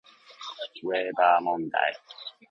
ウェーバー問題